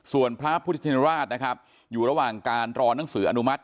ส่วนพระพุทธชินราชนะครับอยู่ระหว่างการรอนังสืออนุมัติ